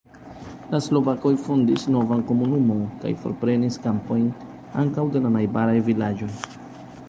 La slovakoj fondis novan komunumon kaj forprenis kampojn ankaŭ de la najbaraj vilaĝoj.